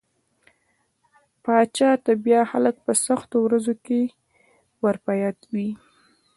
پاچا ته بيا خلک په سختو ورځو کې ور په ياد وي.